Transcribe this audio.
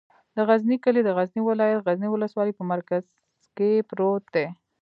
د غزنی کلی د غزنی ولایت، غزنی ولسوالي په مرکز کې پروت دی.